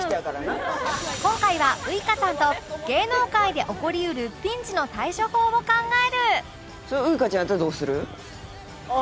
今回はウイカさんと芸能界で起こりうるピンチの対処法を考える